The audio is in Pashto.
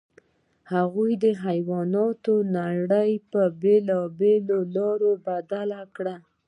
هغوی د حیواناتو نړۍ په بېلابېلو لارو بدل کړه.